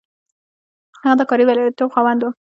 هغه د کاري برياليتوب خاوند و.